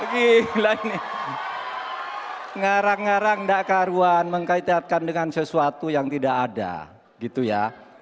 gila ini ngarang ngarang enggak keharuan mengkaitkan dengan sesuatu yang tidak ada gitu ya